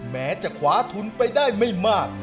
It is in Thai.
แม้จะขวาทุนไปได้ไม่มาก